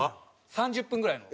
３０分ぐらいの。